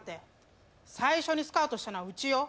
最初にスカウトしたのはうちよ。